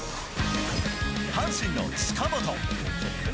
阪神の近本。